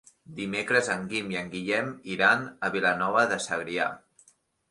Dimecres en Guim i en Guillem iran a Vilanova de Segrià.